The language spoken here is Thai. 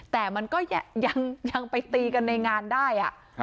แต่มันก็ยังไปตีกันในงานได้